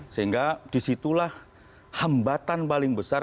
sehingga disitulah hambatan paling besar